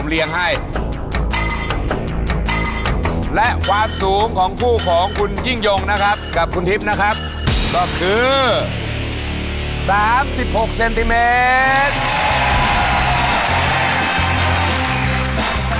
และความสูงของคู่ของคุณยิ่งยงนะครับกับคุณทิพย์นะครับก็คือ๓๖เซนติเมตร